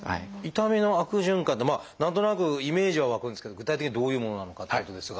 痛みの悪循環って何となくイメージは湧くんですけど具体的にどういうものなのかっていうことですが。